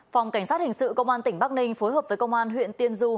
phòng cảnh sát hình sự công an tỉnh bắc ninh phối hợp với công an huyện tiên du